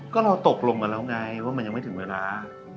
ก็เราตกลงกันแล้วไงว่ามันยังไม่ถึงเวลา